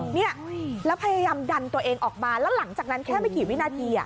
เนี่ยแล้วพยายามดันตัวเองออกมาแล้วหลังจากนั้นแค่ไม่กี่วินาที